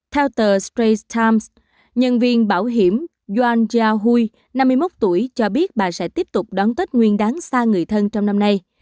theo tờ space times nhân viên bảo hiểm yaan jaui năm mươi một tuổi cho biết bà sẽ tiếp tục đón tết nguyên đáng xa người thân trong năm nay